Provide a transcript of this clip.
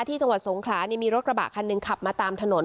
จังหวัดสงขลานี่มีรถกระบะคันหนึ่งขับมาตามถนน